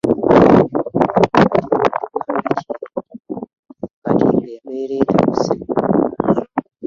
Kati olwo tugambe ki kati ng'embeera etabuse?